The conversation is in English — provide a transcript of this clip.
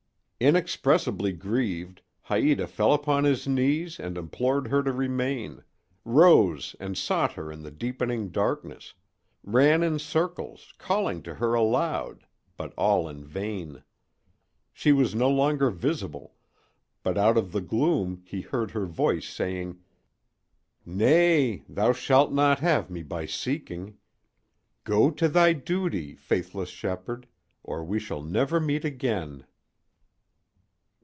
Inexpressibly grieved, Haïta fell upon his knees and implored her to remain—rose and sought her in the deepening darkness—ran in circles, calling to her aloud, but all in vain. She was no longer visible, but out of the gloom he heard her voice saying: "Nay, thou shalt not have me by seeking. Go to thy duty, faithless shepherd, or we shall never meet again."